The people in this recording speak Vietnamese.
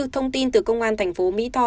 thông tin từ công an thành phố mỹ tho